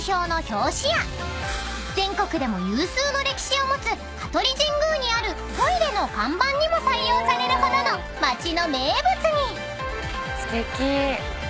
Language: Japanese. ［全国でも有数の歴史を持つ香取神宮にあるトイレの看板にも採用されるほどの町の名物に］